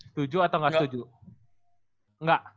setuju atau nggak setuju enggak